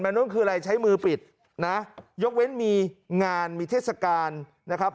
นุ่นคืออะไรใช้มือปิดนะยกเว้นมีงานมีเทศกาลนะครับ